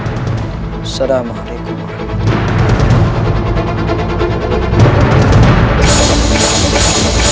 assalamualaikum warahmatullahi wabarakatuh